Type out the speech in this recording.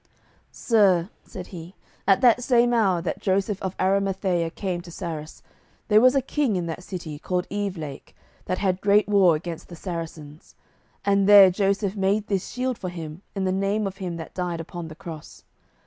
"Sir," said he, "at that same hour that Joseph of Arimathea came to Sarras, there was a king in that city called Evelake, that had great war against the Saracens, and there Joseph made this shield for him in the name of Him that died upon the cross.